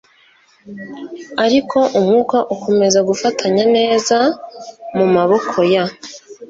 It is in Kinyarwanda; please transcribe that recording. Ariko umwuka ukomeza gufatanya neza mumaboko ya